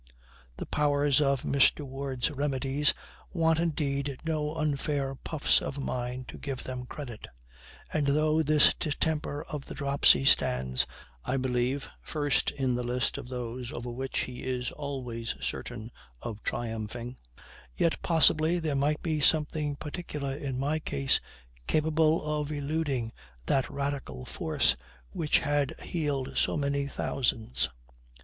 The powers of Mr. Ward's remedies want indeed no unfair puffs of mine to give them credit; and though this distemper of the dropsy stands, I believe, first in the list of those over which he is always certain of triumphing, yet, possibly, there might be something particular in my case capable of eluding that radical force which had healed so many thousands.